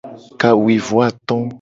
Kawuivoato.